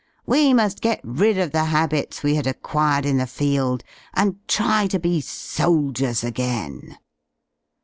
We muSi get rid of the habits we had acquired in the field and try and be soldiers again!